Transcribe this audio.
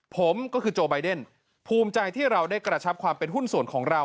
ผมก็คือโจไบเดนภูมิใจที่เราได้กระชับความเป็นหุ้นส่วนของเรา